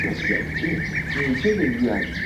弗利讷莱莫尔塔涅人口变化图示